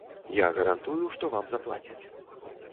Я гарантую, што вам заплацяць.